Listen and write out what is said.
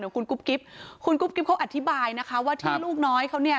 คุณกุ๊บกิ๊บคุณกุ๊กกิ๊บเขาอธิบายนะคะว่าที่ลูกน้อยเขาเนี่ย